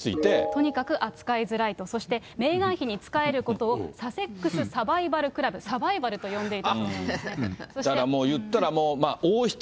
とにかく扱いづらいと、そしてメーガン妃に仕えることをサセックス・サバイバル・クラブ、サバイバルと呼んでいたということなんです。